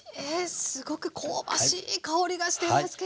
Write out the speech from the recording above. すごく香ばしい香りがしていますけれども。